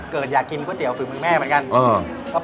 เกิดอยากกินก๋วยเตี๋ยวฝืบมึงแม่เหมือนกัน